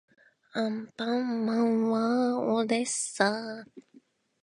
アンパンマンはおれっさー